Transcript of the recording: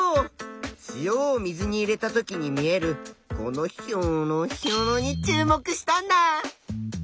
塩を水に入れたときに見えるこのひょろひょろに注目したんだ。